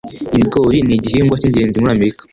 Ibigori nigihingwa cyingenzi muri Amerika.